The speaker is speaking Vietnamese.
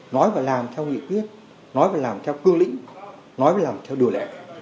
nói và làm theo nghị quyết nói và làm theo cương lĩnh nói và làm theo đường lệ